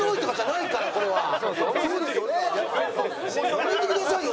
やめてくださいよ！